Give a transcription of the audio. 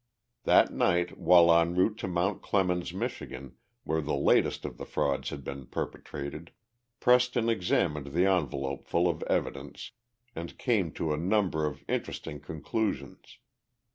That night, while en route to Mount Clemens, Michigan, where the latest of the frauds had been perpetrated, Preston examined the envelope full of evidence and came to a number of interesting conclusions.